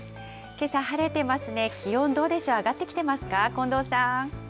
けさ晴れてますね、気温どうでしょう、上がってきてますか？